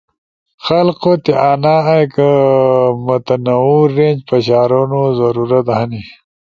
خلقو تا ایک متنوع رینج پشارونو ضرورت ہنی،